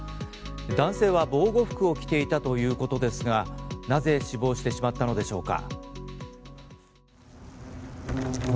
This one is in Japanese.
男性は防護服を着ていたということですがなぜ死亡してしまったのでしょうか？